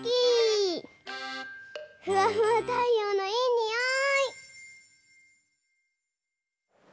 ふわふわたいようのいいにおい！